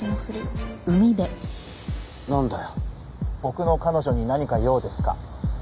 僕の彼女に何か用ですか？